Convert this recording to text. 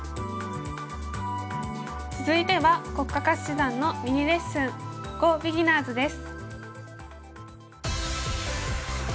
続いては黒嘉嘉七段のミニレッスン「ＧＯビギナーズ」です。